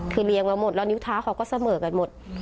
คือเรียงมาหมดแล้วนิ้วเท้าเขาก็เสมอกันหมด